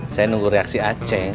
saya nunggu reaksi a ceng